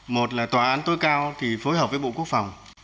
một là tòa án tối cao thì phối hợp với bộ quốc phòng